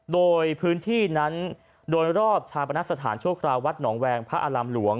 โดยพื้นที่นั้นโดยรอบชาพนัสสถานชั่วคราวัตน์หนองแวงภาอลำหลวง